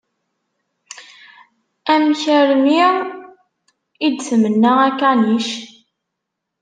Amek armi i d-tmenna akanic?